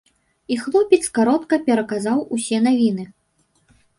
І хлопец каротка пераказаў усе навіны.